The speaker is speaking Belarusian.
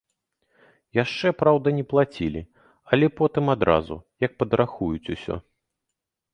Яшчэ, праўда, не плацілі, але потым адразу, як падрахуюць усё.